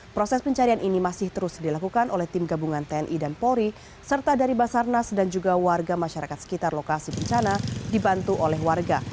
proses pencarian ini masih terus dilakukan oleh tim gabungan tni dan polri serta dari basarnas dan juga warga masyarakat sekitar lokasi bencana dibantu oleh warga